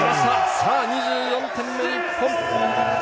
さあ、２４点目、日本！